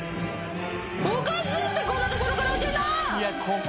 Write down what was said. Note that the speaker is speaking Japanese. おかしいってこんなところから落ちるの。